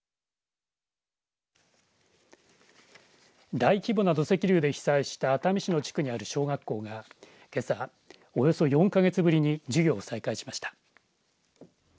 大規模な土石流で被災した熱海市の地区にある小学校がけさ、およそ４か月ぶりに授業を再開しました。